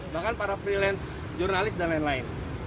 bahkan para freelance jurnalis dan lain lain